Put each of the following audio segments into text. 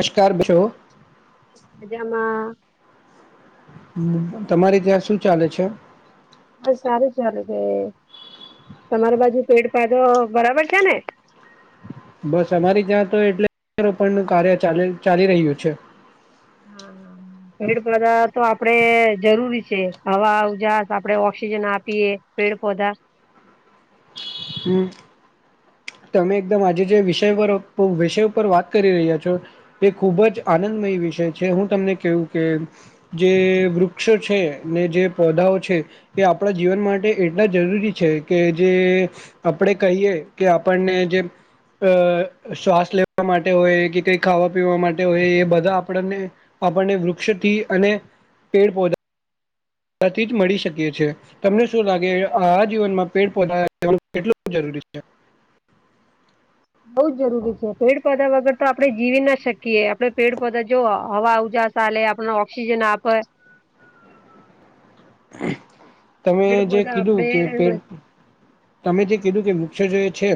નમસ્કાર બેસો જેમાં તમારે ત્યાં શું ચાલે છે? હ સારું ચાલે છે તમારી બાજુ પેડ પાધો બરાબર છે ને બસ અમારી ત્યાં તો એટલે પણ નું કાર્ય ચા ચાલી રહ્યું છે. હ હ પેડ પોધા તો આપડે જરૂરી છે હવા ઉજાસ આપડે ઓક્સિજન આપીએ પેડ પોધા હમ્મ તમે એકદમ આજે જે વિષય પર વિષય ઉપર વાત કરી રહ્યા છો એ ખુબ જ આનંદમય વિષય છે, હું તમને કેઉ કે જે વૃક્ષો છે, ને જે પૌધાઓ છે, એ આપડા જીવન માટે એટલા જરૂરી છે, કે જે આપડે કહીએ કે આપણને જે અ શ્વાસ લેવા માટે હોય, કે કઈ ખાવા પીવા માટે હોય, એ બધા આપડને આપણને વૃક્ષથી અને પેડ પૌધ આ થી જ મળી શકીએ છે. તમને શું લાગે આ જીવનમાં પેડ પોધા કેટલું જરૂરી છે? બઉ જરૂરી છે પેડ પોધા વગર તો આપડે જીવી ના શકીએ, આપડે પેડ પોધા જો હવા ઉજા સાલે આપણ ઓક્સિજન આપે, [inaudible] તમે પેડ જે પધા કીધું આપડે કે પેડ તમે જે કીધું કે વૃક્ષ જો એ છે,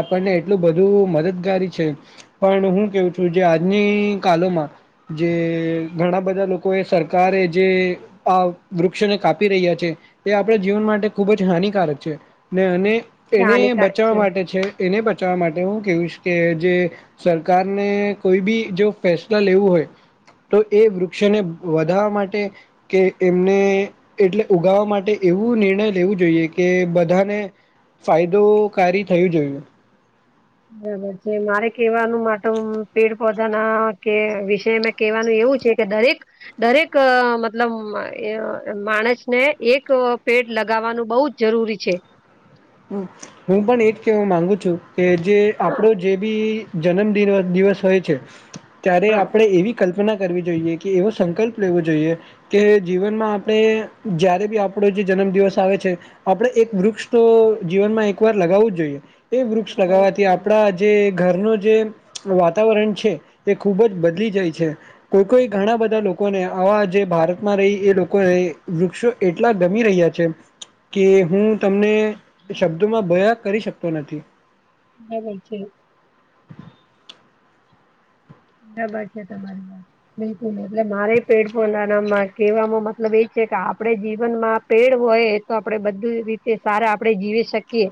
આપણને એટલું બધું મદદગારી છે. પણ હું કેઉં છું જે આજની કાલોમાં જે ઘણા બધા લોકો એ સરકારે જે આ વૃક્ષોને કાપી રહ્યા છે, તે આપણા ખુબ જ હાનિકારક છે. ને અને એ એને હાનિકારક બચાવવા માટે છે, એને બચાવવા માટે હું કેઉશ કે જે સરકારને કોઈ બી જો ફેસલ લેવું હોય તો એ વૃક્ષોને વધારવા માટે કે એમને એટલે ઉગાવા માટે એવું નિર્ણય લેવું જોઈએ, કે બધા ને ફાયદોકારી થયું જોયું. બરાબર છે મારે કેવાનું માટ પેડ પોધાના કે વિષય મેં કેવાનું એવું છે, કે દરેક દરેક અ મતલબ એ અ માણસને એક પેડ લગાવાનું બઉં જ જરૂરી છે. હમ્મ હું પણ એજ કહેવા માંગુ છું, કે જે હા આપડો જે બી જનમ દિન દિવસ હોય છે, ત્યારે હા. આપડે એવી કલ્પના કરવી જોઈએ, કે એવો સંકલ્પ લેવો જોઈએ, કે જીવનમાં આપડે જ્યારે બી આપડો જે જનમ દિવસ આવે છે, આપડે એક વૃક્ષ તો જીવનમાં એક વાર લગાવું જ જોઈએ, એ વૃક્ષ બરાબર લગાવાથી આપડા જે ઘરનું જે વાતાવરણ છે એ ખૂબ જ બદલી જાય છે, કોઈ કોઈ ઘણા બધા લોકોને આવા જે ભારતમાં રહી એ લોકો એ વૃક્ષો એટલા ગમી રહ્યા છે, કે હું તમને શબ્દોમાં બયા કરી શકતો નથી. બરાબર છે. બરાબર છે, તમારી બિલકુલ એટલે મારે પેડ પોંધા ના માં કેવાનો મતલબ એ છે કે આપડે જીવન માં પેડ હોય તો આપડે બધું રીતે સારા આપડે જીવી શકીએ,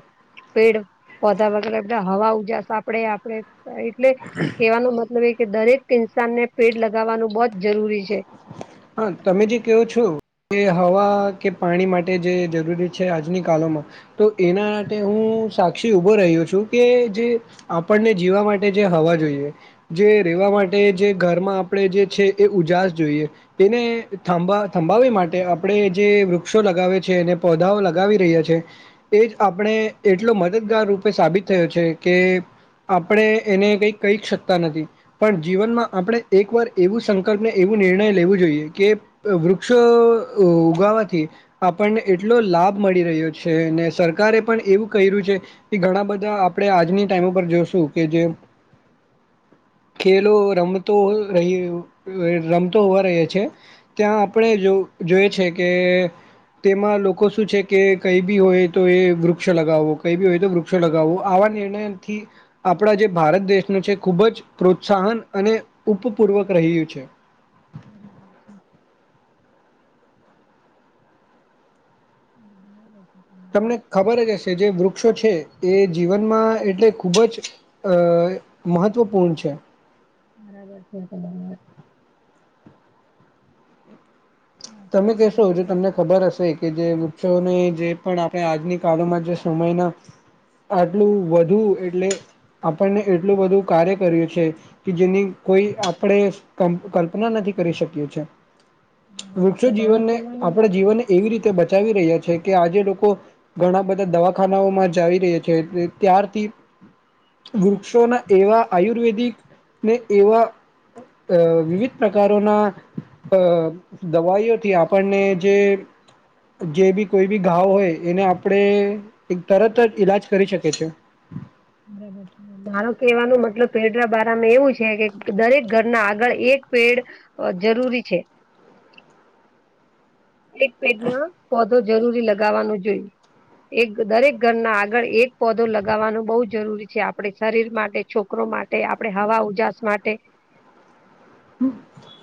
પેડ પોધા વગેરે હવા ઉજાસ આપડે આપડે [inaudible] એટલે કેવાનો મતલબ એ કે દરેક ઇન્સાન ને પેડ લગાવાનું બહુ જ જરૂરી છે, હા, તમે જે ક્યો છો. કે હવા કે પાણી માટે જે જરૂરી છે, આજની કાલોમાં તો એના માટે હું સાક્ષી ઉભો રહ્યો છું, કે જે આપણને જીવા માટે જે હવા જોઈએ, રેવા માટે જે ઘરમાં આપણે જે એ ઉજાસ જોઈએ. તેને થંભ થંભાવવા માટે આપણે જે વૃક્ષો લગાવે છે અને પધાઓ લગાવી રહ્યા છે. એજ આપણે એટલો મદદગાર રૂપે સાબિત થયો છે કે આપણે એને કઈ કહી શકતા નથી પણ જીવનમાં આપણે એક વાર એવું સંકલ્પને એવું નિર્ણય લેવું જોઈએ કે વૃક્ષો ઉગાવાથી આપણને એટલો લાભ મળી રહ્યો છે અને સરકારે પણ એવું કર્યું છે કે ઘણા બધા આપણે આજની ટાઈમ ઉપર જોશું કે જે ખેલો રમતો રહ્યો રમતો હોવા રહીએ છેએ ત્યાં આપણે જો જોઈ છે કે તેમાં લોકો શું છે કે કઈ ભી હોય તો એ વૃક્ષ લગાવવો કઈ બીજા હોય તો વૃક્ષ લગાવું આવા નિર્ણયથી આપણા જે ભારત દેશનું છે ખુબ જ પ્રોત્સાહન અને ઉપપૂર્વક રહ્યું છે. [inaudible] [inaudible] તમને ખબર જ હશે જે વૃક્ષો છે એ જીવનમાં એટલે ખૂબ જ અ મહત્ત્વપૂર્ણ છે. બરાબર છે [unintelligible] તમે કહેશો જો જીવનમાં તમને ખબર હશે કે જે વૃક્ષોની જે પણ આપણે આજની કાળમાં જે સમયના આટલું વધુ એટલે આપણને એટલું બધું કાર્ય કર્યું છે કે જેની કોઈ આપણેે કલ્ કલ્પના નથી કરી શકીયુ છે. બરાબર વૃક્ષો છે મારું જીવનને કહેવાનું આપણા જીવનને એવી રીતે બચાવી રહ્યા છે કે આજે લોકો ઘણા બધા દવાખાનાઓમાં જાવી રહ્યા છે ત્યારથી વૃક્ષોના એવા આયુર્વેદિક ને એવા અ અ વિવિધ પ્રકારોના અ અ દવાઈઓથી આપણને જે જે ભી કોઈ ભી ઘાવ હોય એને આપણે એક તરત જ ઈલાજ કરી શકીએ છીએ. બરાબર છે. મારો કેહેવાનો મતલબ પેડના બારામાં એવું છે કે દરેક ઘરના આગળ એક પેડ અ જરૂરી છે. એક પેડમાં પોંધો જરૂરી લગાવવાનો જોઈએ. એક દરેક ઘરના આગળ એક પોંધો લગાવવાનું બહુ જરૂરી છે આપડે શરીર માટે છોકરો માટે એ આપણે હવા-ઉજાસ માટે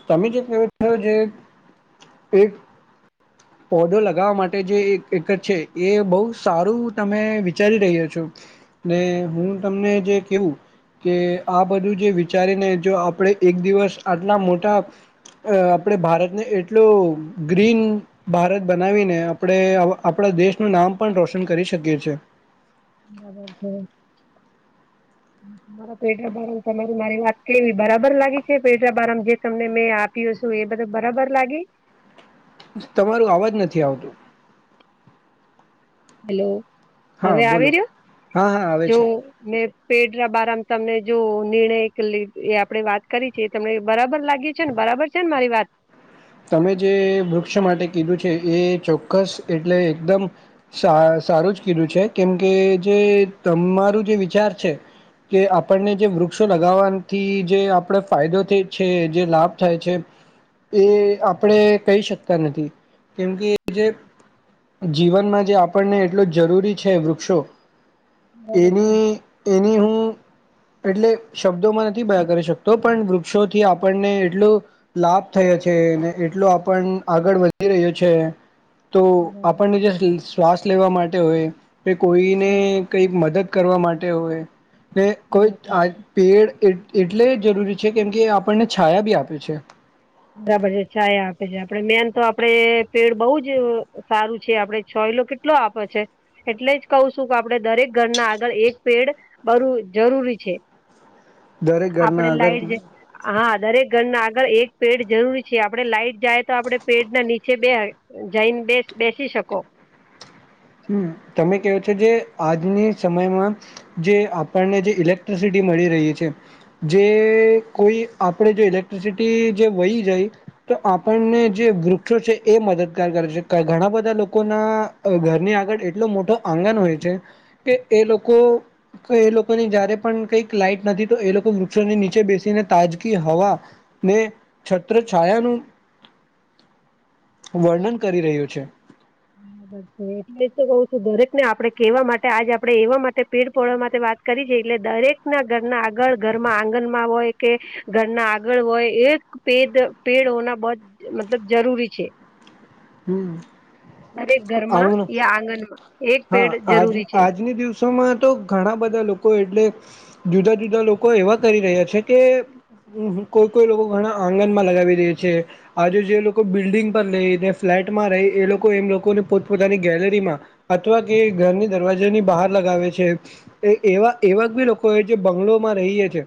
તમે જે કેવો છે જે એક પોંધો લગાવવા માટે જે એક એક છે એ બહુ સારું તમે વિચારી રહ્યા છો. ને હું તમને જે કેવું કે આ બધું જે વિચારીને જો આપણે એક દિવસ આટલા મોટા અ આપણે ભારતને એટલો ગ્રીન‌ ભારત બનાવીને આપણે આ આપણા દેશનું નામ પણ રોશન કરી શકીએ છીએ. બરાબર છે. મારા પેડ ના બારા માં તમારી મારી વાત કેવી બરાબર લાગી છે પેડ ના બારા માં જે તમને મેં આ પી શું એ બધું બરાબર લાગી? તમારું અવાજ નથી આવતું. હેલો! હા હવે આવી બોલો રહ્યો? હા હા આવે જો છે મેં પેડ ના બારમાં તમને જો નિર્ણય એ એક આપડે વાત કરી છે. તમને બરાબર લાગી છે ને બરાબર છે ને મારી વાત તમે જે વૃક્ષો માટે કીધું છે એ ચોક્કસ એટલે એકદમ સા સારૂજ કીધું છે કેમકે જે તમારું જે વિચાર છે. કે આપણને જે વૃક્ષો લગાવવાથી જે આપણે ફાયદો થાય છે જે લાભ થાય છે, એ આપણે કહી શકતા નથી કેમકે જે, જીવનમાં જે આપણને એટલુંજ જરૂરી છે વૃક્ષો બરાબર છે એની, એની હું એટલે શબ્દોમાં નથી બયા કરી શકતો પણ વૃક્ષોથી આપ, આપણને એટલો લાભ થયો છે એને, એટલો આપણે આગળ વધી રહ્યો તો બરાબર આપણને છે જે શ્વાસ લેવા માટે હોય કે કોઈને કઈ મદદ કરવા માટે હોય, કોઈ બરાબર છે. આ પેડ એટલે જરૂરી છે કે આપણને છાયા બી આપે છે, બરાબર છે છાયા આપે છે મેન તો આપડે પેડ બહુજ, સારું છે આપડે છાયલો કેટલો આપે છે, એટલે જ કહું છું કે આપડે દરેક ઘરના આગળ એક પેડ, બહુજ જરૂરી છે, દરેક ઘરના આપડે આગળ લાઈટ જે હા દરેક ઘરના આગળ એક, પેડ જરૂરી છેઆપડે લાઈટ જાય તો આપડે પેડ ના નીચે બેસાય જઈને બે બેસી શકો. હમમ તમે ક્યો છો જે આજની સમય માં, જે આપણને જે ઈલેક્ટ્રીસીટી મળી રહી છે, જે કોઈ આપડે જે ઈલેક્ટ્રીસીટી જે વઈ જાય, તો આપણને જે વૃક્ષો છે એ મદદગાર કરે છે. ઘણા બધા લોકોની, આગળ એટલો મોટો આંગન હોય છે કે એ લોકો, એ લોકો ની જયારે પણ કંઈક લાઇટ નથી તો એ લોકો વૃક્ષો ની નીચે તાજી હવા, ને છત્રછાયા નુ વર્ણન કરી રહ્યું છે, હા એટલે જ તો કહું છું દરેક ને આપણે કેવા માટે આજે આપણે એવા માટે પેડ પાળવા માટે વાત કરી છે. એટલે દરેક, ના ઘરના આગળ કે ઘરના આંગન માં હોય કે, ઘરના આગળ હોય એક પેડ હોના બહોત મતલબ જરૂરી છે, હમહમમ દરેક ઘરમાં યા આંગન માં, હા આજ આજની દિવસ માં માં તો ઘણા બધા લોકો એટલે જુદા જુદા લોકો એવા કરી રહ્યા છે કે, કોઈ કોઈ લોકો ઘણા આંગન માં લગાવી દે છે, આજે જે લોકો બિલ્ડિંગ પર રહે ફ્લેટ માં રહે એ લોકો પોતપોતાની ગેલેરી માં, અથવા કે ઘરની દરવાજા ની બાર લગાવે છે, એ એવા એવા બી લોકો જે બંગલોમાં રહે છે,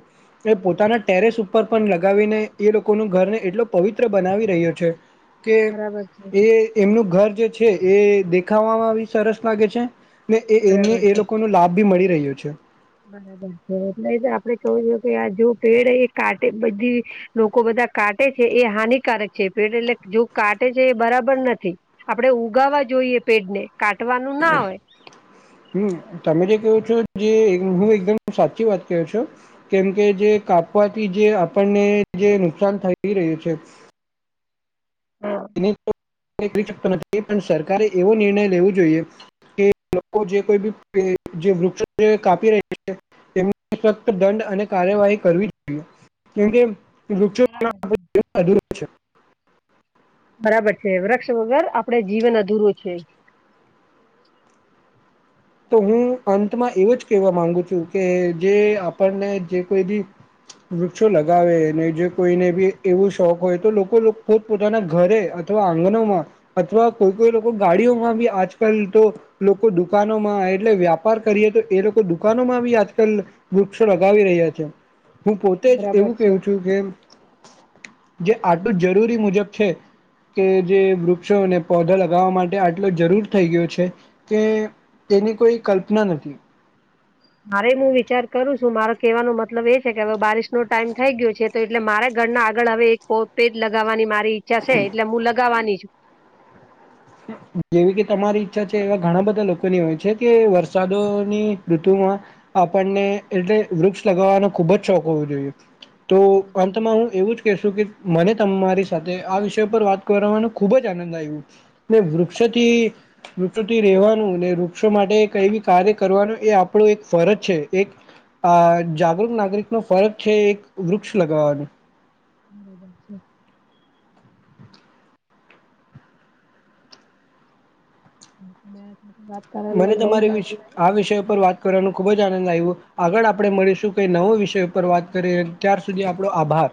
એ પોતાના ટેરેસ ઉપર પણ લગાવીને એ લોકો નુ ઘર એટલું પવિત્ર બનાવી રહ્યું છે, કે બરાબર છે એમનું ઘર જે છે એ દેખાવમાં બી સરસ લાગે છે ને એ. એમને બરાબર એ છે લોકો નો લાભ બી મળી રહયો છે બરાબર છે અરલેજ કહેવુંજોઈએ કે જે પેડ હે જે કાટે લોકો બધા કાટે છે એ હાનિકારક છે જે કાટે છે એ બરાબર નથી, આપડે ઉગાવવવા જોઈએ પેડને કાટવાનું ના હોય, હમમ તમે જે ક્યો છો જે સાચી વાત ક્યો છો, કેમકે જે કાપવાથી જે આપણને જે નુકસાન થઇ રહ્યું છે, હા. સરકારે એવો નિર્ણય લેવો જોઈએ, કે લોકો જે કોઈ બી જે વૃક્ષ કાપી રહ્યું છે એમને સખત દંડ અને કાર્યવાહી કરવીજ જોઈએ કેમકે, બસ વૃક્ષો બરાબર છે. [unintelligible] છે. બરાબર છે, વૃક્ષ વગર આપડે જીવન અધૂરું છે. તો હું અંતમાં એવો જ કહેવા માંગુ છું કે જે આપણને જે કોઈ બી વૃક્ષો લગાવે ને જે કોઈને બી એવું શોખ હોય તો લોકો લોકો પોતાના ઘરે અથવા આંગણોમાં અથવા કોઈ કોઈ લોકો ગાડીઓમાં બી આજકાલ તો લોકો દુકા નોમાં એટલે વ્યાપાર કરીએ તો એ લોકો દુકાનોમાં બી આજકાલ વૃક્ષો લગાવી રહ્યા છે. હું પોતે જ બરાબર એવું છે. કેવુ છું કે જે આટલું જરૂરી મુજબ છે. કે જે વૃક્ષોને પૌધા લગાવવા માટે આટલો જરૂર થઈ ગયો છે, તે તેની કોઈ કલ્પના નથી. મારે હું વિચાર કરું છું મારો કેવાનો મતલબ એ છે, કે હવે બારિશ નો ટાઈમ થઈ ગયો છે. તો એટલે મારે ઘર ના આગળ હવે એક પો પેદ લગાવવાની મારી ઈચ્છા છે, એટલે મુ લગાવવાની છું જેવી કે તમારી ઈચ્છા છે, એવા ઘણા બધા લોકોની હોય છે, કે વરસાદોની ઋતુમાં આપણને એટલે વૃક્ષ લગાવવાનો ખુબ જ શોખ હોવો જોઈએ. તો અંતમાં હું એવું જ કે શું કે મને તમારી સાથે આ વિષય પર વાત કરવાનો ખુબ જ આનંદ આયવુ ને વૃક્ષથી વૃક્ષોથી રહેેવાનું ને વૃક્ષો માટે કઈ બી કાર્ય કરવાનું એ આપડો એક ફરજ છે, એક આ જાગૃત નાગરિકનો ફરજ છે, એક વૃક્ષ લગાવાનો [unintelligible] [unintelligible] વાત કરવાની મને બહુ તમારી જ વિસ આનંદ આવ્યો આ વિષય પર વાત કરવાનો ખુબ અજ આનંદ આયવો આગળ આપડે મળીશું કઈ નવો વિષય ઉપર વાત કરીએ ત્યાર સુધી આપડો આભાર.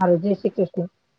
હારું જય શ્રી કૃષ્ણ.